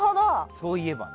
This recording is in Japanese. そういえばね。